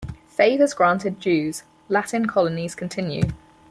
Favors granted Jews; Latin colonies continue.